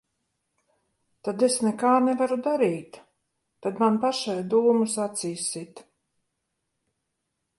Tad es nekā nevaru darīt. Tad man pašai dūmus acīs sit.